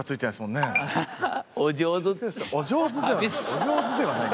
お上手ではない。